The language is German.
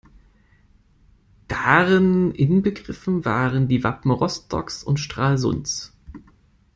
Darin inbegriffen waren die Wappen Rostocks und Stralsunds.